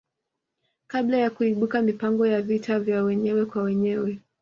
Kabla ya kuibuka mapigano ya vita vya wenyewe kwa wenyewe